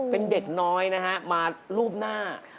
เป็นเด็กน้อยนะฮะมารูปหน้า